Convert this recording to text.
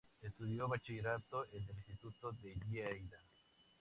Estudió bachillerato en el Instituto de Lleida.